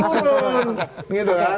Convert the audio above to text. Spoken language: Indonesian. turun gitu kan